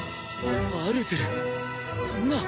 アルトゥルそんな。